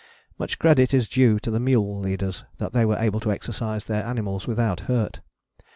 Much credit is due to the mule leaders that they were able to exercise their animals without hurt.